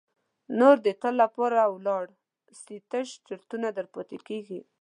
نور د تل لپاره ولاړ سي تش چرتونه در پاتیږي.